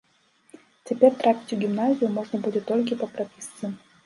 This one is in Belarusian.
Цяпер трапіць у гімназію можна будзе толькі па прапісцы.